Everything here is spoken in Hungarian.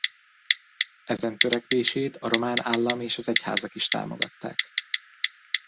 Ezen törekvését a román állam és az egyházak is támogatták.